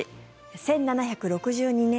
１７６２年